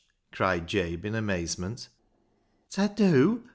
cried Jabe, in amazement. " Ta dew